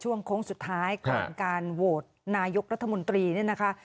ช่วงคงสุดท้ายการการโหวตนายกรัฐมนตรีนี่นะคะ